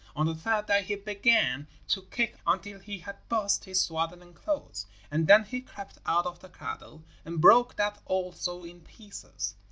On the third day he began to kick until he had burst his swaddling clothes, and then he crept out of the cradle and broke that also in pieces.